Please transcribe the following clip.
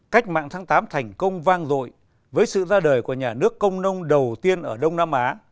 cách mạng tháng tám thành công vang rội với sự ra đời của nhà nước công nông đầu tiên ở đông nam á